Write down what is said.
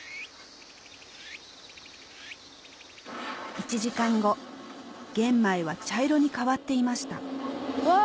１時間後玄米は茶色に変わっていましたわぁ！